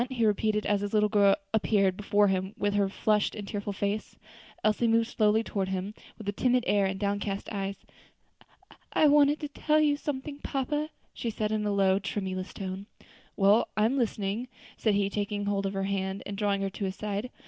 he repeated, as his little girl appeared before him with her flushed and tearful face. Elsie moved slowly toward him, with a timid air and downcast eyes. "I wanted to tell you something, papa," she said in a low, tremulous tone. "Well, I am listening," said he, taking hold of her hand and drawing her to his side.